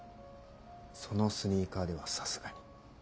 そのスニーカーではさすがに。